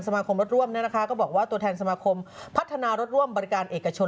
มาคมรถร่วมก็บอกว่าตัวแทนสมาคมพัฒนารถร่วมบริการเอกชน